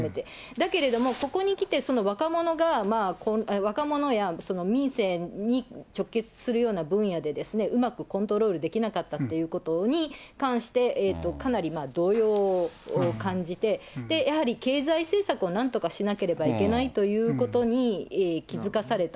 だけれども、ここにきて若者が若者や民政に直結するような分野で、うまくコントロールできなかったということに関してかなり動揺を感じて、やはり経済政策をなんとかしなければいけないということに気付かされた。